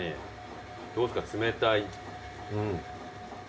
どうすか冷たい。